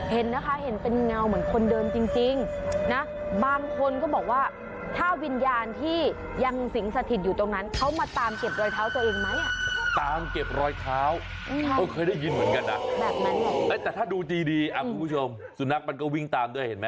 เห็นนะคะเห็นเป็นเหล้าเหมือนคนเดิมจริงนะบางคนก็บอกว่าถ้าวิญญาณที่ยังสิงสถิตอยู่ตรงนั้นเขามา